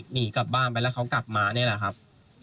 หนีกลับบ้านไปแล้วเขากลับมานี่แหละครับ